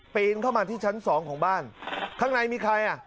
นเข้ามาที่ชั้นสองของบ้านข้างในมีใครอ่ะ